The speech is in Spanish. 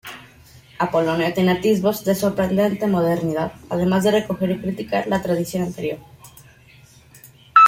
Apolonio tiene atisbos de sorprendente modernidad, además de recoger y criticar la tradición anterior.